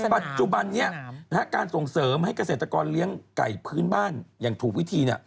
ปัจจุบันนี้การส่งเสริมให้เกษตรกรเลี้ยงไก่พื้นบ้านอย่างถูกวิธี